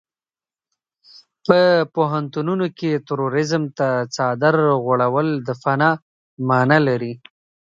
په پوهنتونونو کې تروريزم ته څادر غوړول د فناه مانا لري.